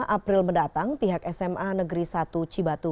april mendatang pihak sma negeri satu cibatu